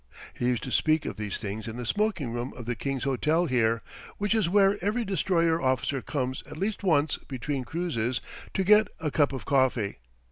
He used to speak of these things in the smoking room of the King's Hotel here, which is where every destroyer officer comes at least once between cruises to get a cup of coffee.